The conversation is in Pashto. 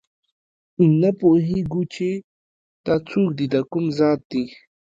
نه پوهېږو چې دا څوک دي دکوم ذات دي